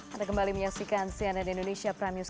anda kembali menyaksikan cnn indonesia prime news